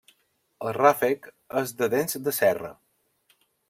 El ràfec és de dents de serra.